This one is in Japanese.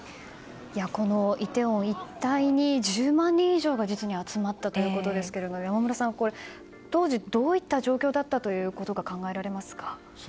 このイテウォン一帯に１０万人以上が実に集まったということですけど山村さん、当時どういった状況だったと考えられますか。